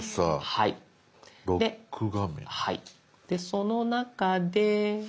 その中で。